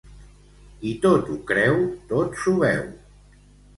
Qui tot ho creu, tot s'ho beu.